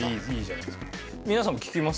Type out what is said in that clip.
皆さんにも聞きます？